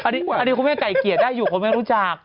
อดีคุณแม่ไกล่เกียจได้อยู่คนนึงรู้จัก